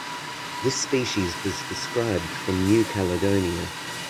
This species was described from New Caledonia.